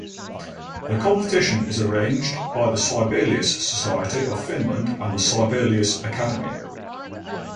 The competition is arranged by the Sibelius Society of Finland and the Sibelius Academy.